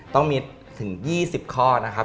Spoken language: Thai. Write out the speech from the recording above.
ต้องมีถึง๒๐ข้อนะครับ